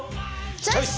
チョイス！